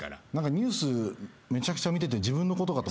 ニュースめちゃくちゃ見てて自分のことかと。